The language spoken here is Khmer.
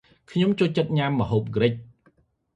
ខ្ញុំចូលចិត្តញ៉ាំម្ហូបក្រិច ។